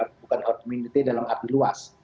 bukan herd immunity dalam arti luas